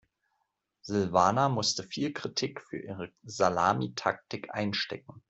Silvana musste viel Kritik für ihre Salamitaktik einstecken.